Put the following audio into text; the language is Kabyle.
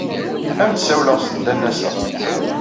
Ad am-d-ssawleɣ send ad n-aseɣ.